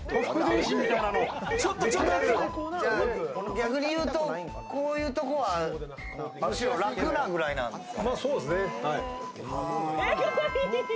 逆に言うと、こういうところはむしろ楽なぐらいなんですか？